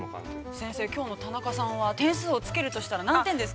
◆先生、きょうの田中さんは点数をつけるとしたら何点ですか。